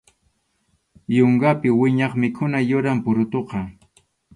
Yunkapi wiñaq mikhuna yuram purutuqa.